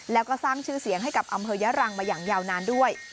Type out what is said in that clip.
แล้วก็สร้างชื่อเสียงให้กับอำเภอยะรังมาอย่างยาวนานด้วย